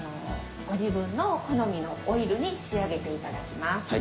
ご自分の好みのオイルに仕上げて頂きます。